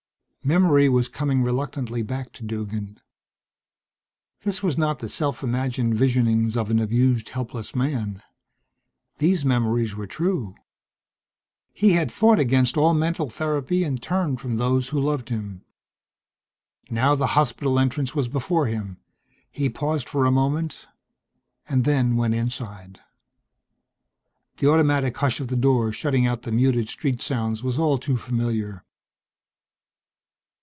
Memory was coming reluctantly back to Duggan. This was not the self imagined visionings of an abused helpless man. These memories were true. He had fought against all mental therapy and turned from those who loved him. Now the hospital entrance was before him. He paused for a moment and then went inside. The automatic hush of the door shutting out the muted street sounds was all too familiar.